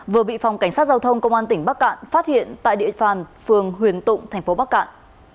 vừa bị phòng cảnh sát giao thông công an tỉnh bắc cạn phát hiện tại địa phàn phường huyền tụng thành phố bắc cạn